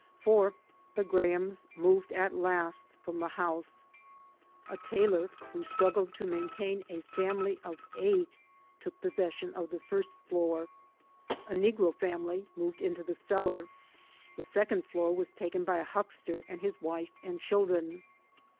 For the Grahams moved at last from the house. A tailor who struggled to maintain a family of eight took possession of the first floor. A negro family moved into the cellar. The second floor was taken by a huckster and his wife and children.